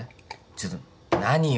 ちょっと何よ。